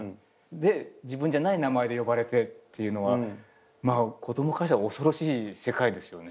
自分じゃない名前で呼ばれてっていうのはまあ子供からしたら恐ろしい世界ですよね。